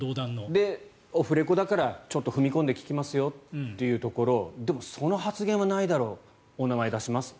で、オフレコだからちょっと踏み込んで聞きますよというところでも、その発言はないだろうもうお名前出しますと。